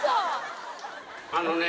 あのね